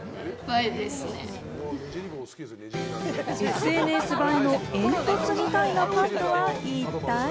ＳＮＳ映えの煙突みたいなパンとは一体？